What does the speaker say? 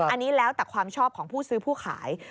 อันนี้แล้วแต่ความชอบของผู้ซื้อผู้ขาย